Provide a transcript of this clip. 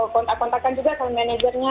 kontak kontakkan juga sama manajernya